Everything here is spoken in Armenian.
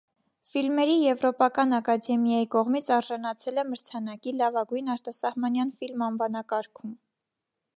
Ֆիլմերի եվրոպական ակադեմիայի կողմից արժանացել է մրցանակի լավագույն արտասահմանյան ֆիլմ անվանակարգում։